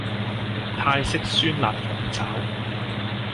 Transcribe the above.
泰式酸辣鳳爪